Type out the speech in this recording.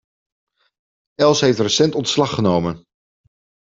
Els heeft recent ontslag genomen.